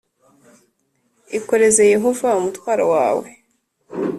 Ikoreze Yehova umutwaro wawe